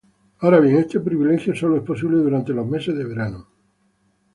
Ahora bien, este privilegio sólo es posible durante los meses de verano.